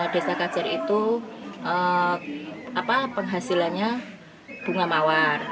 desa kajar itu penghasilannya bunga mawar